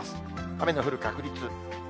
雨の降る確率。